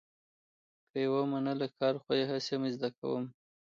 که یې ومنله، کار خو یې هسې هم زه کوم.